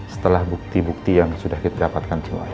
setelah bukti bukti yang sudah kita dapatkan semua